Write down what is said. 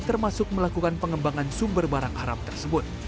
termasuk melakukan pengembangan sumber barang haram tersebut